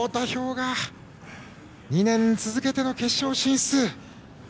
雅２年続けての決勝進出。